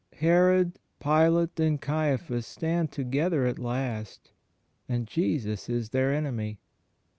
Herod, Pilate and Caiphas stand together at last, and Jesus is their enemy.